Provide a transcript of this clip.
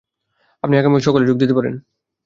আপনি আগামীকাল সকালে যোগ দিতে পারেন।